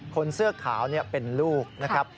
คนเสื้อขาวเป็นลูกนะครับ